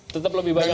tetap lebih banyak